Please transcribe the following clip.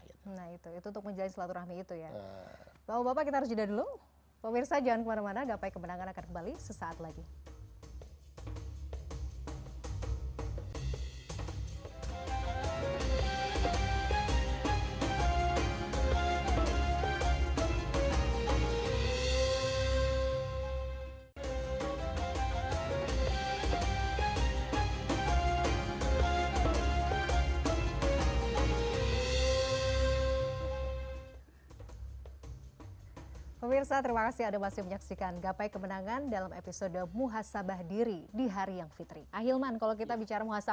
nah itu untuk menjalani selatur rahmi itu ya